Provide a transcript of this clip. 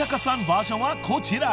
バージョンはこちら］